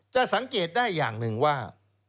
จะสังเกตได้อย่างหนึ่งว่า